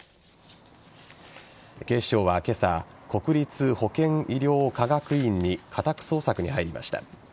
警視庁は今朝国立保健医療科学院に家宅捜索に入りました。